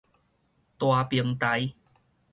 大平台